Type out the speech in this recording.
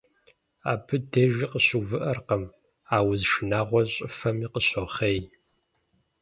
Абы дежи къыщыувыӀэркъым, а уз шынагъуэр щӀыфэми къыщохъей.